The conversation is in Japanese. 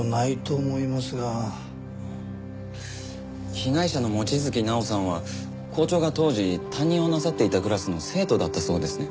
被害者の望月奈緒さんは校長が当時担任をなさっていたクラスの生徒だったそうですね。